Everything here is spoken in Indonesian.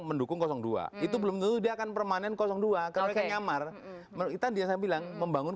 mendukung dua itu belum sudah akan permanen dua kalau nyamar menurut kita dia bilang membangun